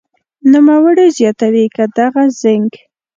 نوموړې زیاتوي که دغه زېنک